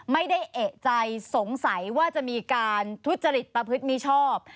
ไม่ได้เอกใจสงสัยว่าจะมีการทุจริตประพฤติมิชอบ